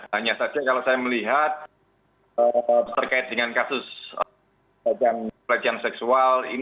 hanya saja kalau saya melihat terkait dengan kasus pelecehan seksual